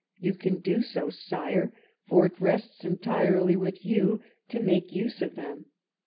You can do so, Sire, for it rests entirely with you to make use of them.